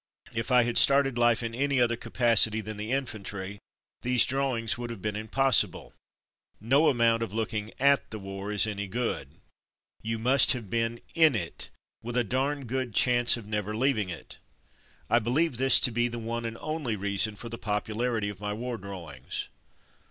If I had started life in any other capacity than the infantry, these drawings would have been impossbile. No amount of look ing at tht war is any good; you must have been in it, with a darn good chance of never leaving it. I believe this to be the one and only reason for the popularity of my war drawings.